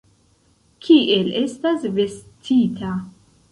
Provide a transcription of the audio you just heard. Kiel estas vestita.